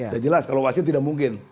dan jelas kalau wasit tidak mungkin